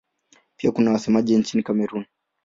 Pia kuna wasemaji nchini Kamerun.